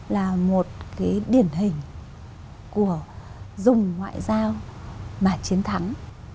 là một cái điển hình của dùng ngoại giao mà chiến thắng